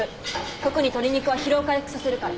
特に鶏肉は疲労回復させるから。